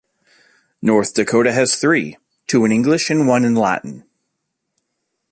North Dakota has three, two in English and one in Latin.